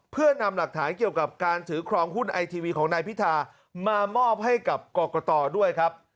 เพื่อนำหลักฐานเกี่ยวกับการถือครองหุ้นไอทีวีของนายพิธามามอบให้กับกรกตด้วยครับ